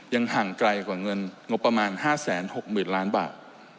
ห่างไกลกว่าเงินงบประมาณ๕๖๐๐๐ล้านบาท